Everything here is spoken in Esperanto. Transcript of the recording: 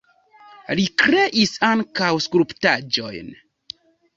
Li kreis ankaŭ skulptaĵojn.